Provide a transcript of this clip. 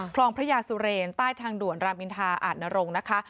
พระยาสุเรนใต้ทางด่วนรามอินทาอาจนรงค์นะคะ